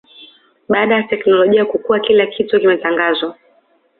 baada ya teknolojia kukua kila kitu kimetangazwa